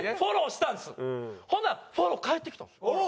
ほんならフォロー返ってきたんですよ。